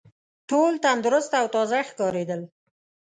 ټول تندرست او تازه ښکارېدل.